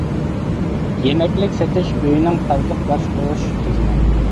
يېمەكلىك سېتىش ئۆيىنىڭ تازىلىق باشقۇرۇش تۈزۈمى.